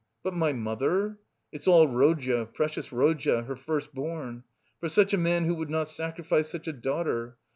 But my mother? It's all Rodya, precious Rodya, her first born! For such a son who would not sacrifice such a daughter!